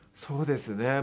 そうですね。